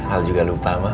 al juga lupa ma